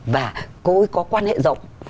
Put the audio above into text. và cô ấy có quan hệ rộng